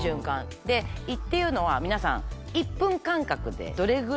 胃っていうのは皆さん。